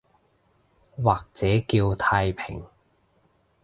或者叫太平